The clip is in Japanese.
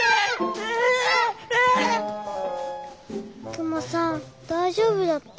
熊さん大丈夫だった？